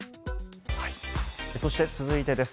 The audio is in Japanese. そして続いてです。